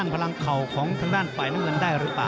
ของทางด้านฝ่ายน้ำเงินได้หรือเปล่า